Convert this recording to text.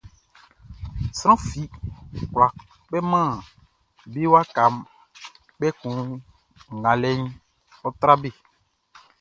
Sran fi kwlá kpɛman be wakaʼn, kpɛkun ngalɛʼn ɔ́ trá be.